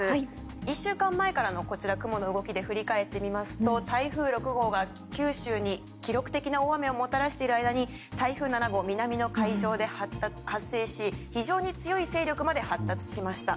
１週間前からの雲の動きで振り返ってみますと台風６号が九州に記録的な大雨をもたらしている間に、台風７号が南の海上で発生し非常に強い勢力まで発達しました。